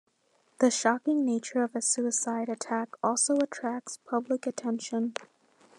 The shocking nature of a suicide attack also attracts public attention.